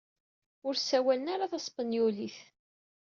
Ur ssawalen ara taspenyulit.